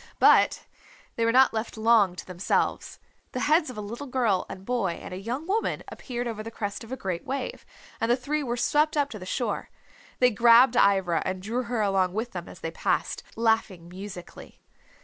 But they were not left long to themselves. The heads of a little girl and boy and a young woman appeared over the crest of a great wave, and the three were swept up to the shore. They grabbed Ivra and drew her along with them as they passed, laughing musically.